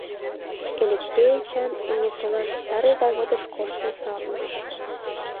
Элексей Эчан Эҥерсолаш, Старый Заводыш коштын савырныш.